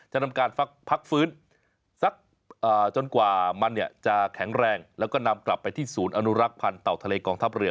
นำการพักฟื้นสักจนกว่ามันจะแข็งแรงแล้วก็นำกลับไปที่ศูนย์อนุรักษ์พันธ์เต่าทะเลกองทัพเรือ